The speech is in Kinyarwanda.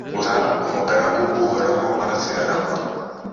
musa, umugaragu w’uhoraho maze arapfa,